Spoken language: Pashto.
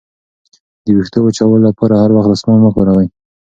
د ویښتو وچولو لپاره هر وخت دستمال مه کاروئ.